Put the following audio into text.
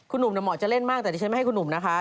คุณหนุ่มเหมาะจะเล่นมากแต่ดิฉันไม่ให้คุณหนุ่มนะคะ